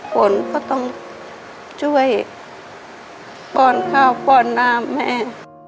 ฝนก็ต้องช่วยป้อนข้าวป้อนหน้าแม่